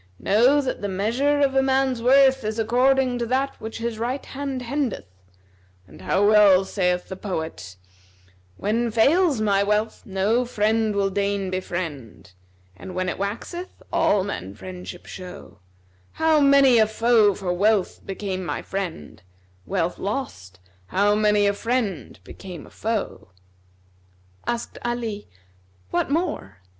Know that the measure of a man's worth is according to that which his right hand hendeth: and how well saith the poet,[FN#258] 'When fails my wealth no friend will deign befriend, * And when it waxeth all men friendship show: How many a foe for wealth became my friend, * Wealth lost, how many a friend became a foe!'" Asked Ali, "What more?"